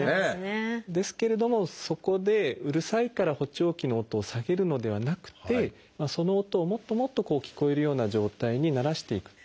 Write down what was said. ですけれどもそこでうるさいから補聴器の音を下げるのではなくてその音をもっともっと聞こえるような状態に慣らしていく。